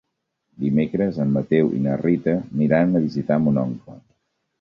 Dimecres en Mateu i na Rita iran a visitar mon oncle.